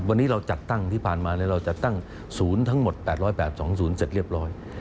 วันนี้เราจัดตั้งที่ผ่านมาเราจัดตั้งศูนย์ทั้งหมด๘๘๒๐เสร็จเรียบร้อย